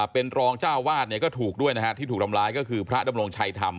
เป็นรองเจ้าวาดเนี่ยก็ถูกด้วยนะฮะที่ถูกทำร้ายก็คือพระดำรงชัยธรรม